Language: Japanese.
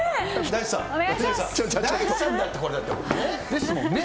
ですもんね。